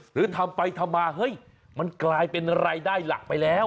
หรือทำไปทำมาเฮ้ยมันกลายเป็นรายได้หลักไปแล้ว